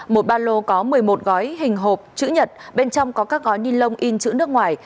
một ba lô có một mươi một gói hình hộp chữ nhật bên trong có các gói ninh lông in chữ nước ngoài